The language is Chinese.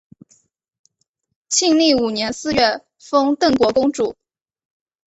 庆历五年四月封邓国公主。